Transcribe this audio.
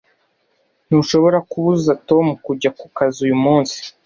Ntushobora kubuza Tom kujya kukazi uyu munsi.